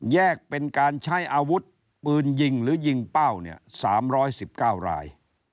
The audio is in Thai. แยกเป็นการใช้อาวุธปืนยิงหรือยิงเป้าเนี่ย๓๑๙ราย